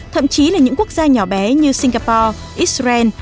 thậm chí là những quốc gia nhỏ bé như singapore israel